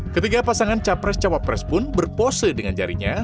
ketiga pasangan capres cawapres pun berpose dengan jarinya